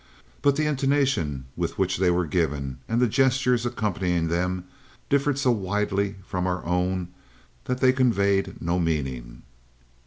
But the intonation with which they were given, and the gestures accompanying them, differed so widely from our own that they conveyed no meaning.